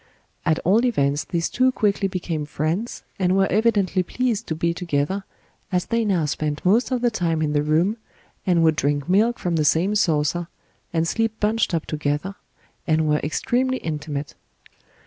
At all events these two quickly became friends and were evidently pleased to be together, as they now spent most of the time in the room, and would drink milk from the same saucer, and sleep bunched up together, and were extremely intimate.